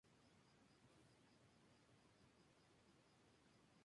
Se han encontrado conjuntos de huellas por todo el mundo.